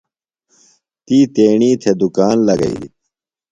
تی تیݨی تھےۡ دُکان لگئیلیۡ۔